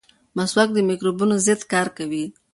مسواک د مکروبونو ضد کار کوي.